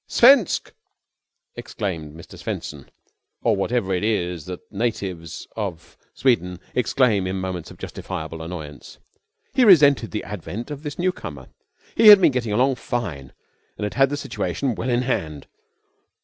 "Svensk!" exclaimed Mr. Swenson, or whatever it is that natives of Sweden exclaim in moments of justifiable annoyance. He resented the advent of this newcomer. He had been getting along fine and had had the situation well in hand.